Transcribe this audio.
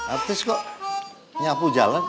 artis kok nyapu jalan